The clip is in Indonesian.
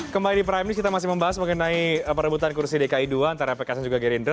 kembali di prime news kita masih membahas mengenai perebutan kursi dki ii antara pks dan juga gerindra